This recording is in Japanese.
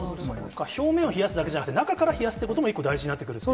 表面を冷やすだけじゃなくて、中から冷やすということも一個、大事になってくるという。